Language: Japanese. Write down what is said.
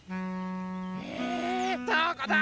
え⁉・どこだ？